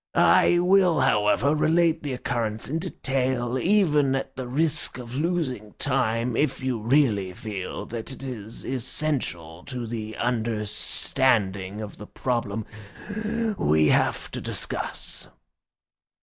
I will, however, relate the occurrence in detail, even at the risk of losing time, if you really feel that it is essential to the understanding of the problem we have to discuss."